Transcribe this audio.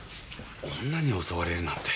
女に襲われるなんて。